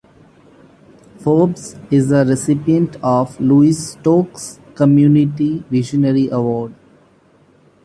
Forbes is a recipient of the Louis Stokes Community Visionary Award.